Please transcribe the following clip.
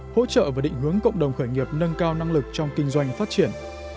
hỗ trợ và định hướng cộng đồng khởi nghiệp nâng cao năng lực trong kinh doanh phát triển